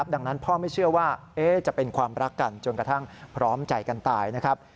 ดังนั้นพ่อไม่เชื่อว่าจะเป็นความรักกันจนกระทั่งพร้อมใจกันตายนะครับ